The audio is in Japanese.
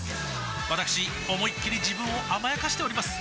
わたくし思いっきり自分を甘やかしております